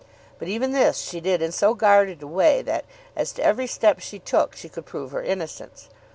But even this she did in so guarded a way that, as to every step she took, she could prove her innocence.